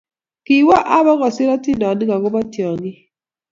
Kiwoo abukosiir atindonik agoba tyongiik